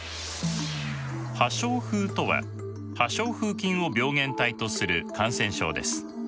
破傷風とは破傷風菌を病原体とする感染症です。